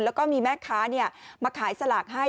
แล้วก็มีแม่ค้ามาขายสลากให้